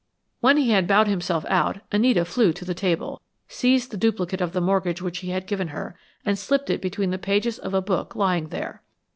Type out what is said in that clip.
When he had bowed himself out, Anita flew to the table, seized the duplicate of the mortgage which he had given her, and slipped it between the pages of a book lying there.